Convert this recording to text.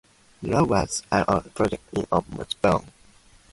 The route was an old project of Ben Moon.